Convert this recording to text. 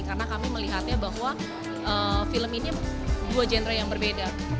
karena kami melihatnya bahwa film ini dua genre yang berbeda